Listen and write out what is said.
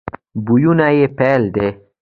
بویونه یې بیل دي.